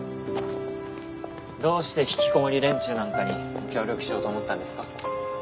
どうしてひきこもり連中なんかに協力しようと思ったんですか？